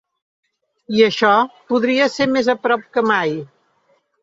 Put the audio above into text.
I això podria ser més a prop que mai.